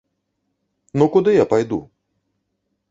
Ну куды я пайду?